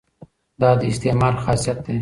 دا د استعمار خاصیت دی.